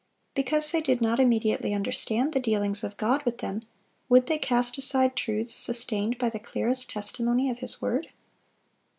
Because they did not immediately understand the dealings of God with them, would they cast aside truths sustained by the clearest testimony of His word?